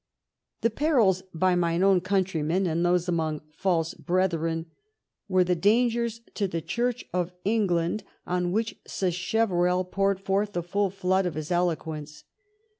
The perils by mine own countrymen and those among false brethren were the dangers to the Church of England on which Sacheverell poured forth the full flood of his eloquence.